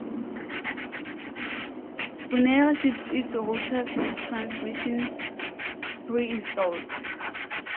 Fonera ships its routers with Transmission pre-installed.